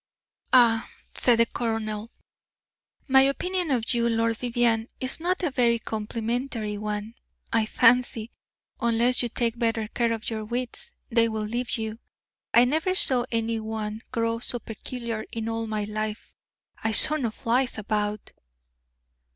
"Ah!" said the colonel. "My opinion of you, Lord Vivianne, is not a very complimentary one. I fancy, unless you take better care of your wits, they will leave you. I never saw any one grow so peculiar in all my life. I saw no flies about."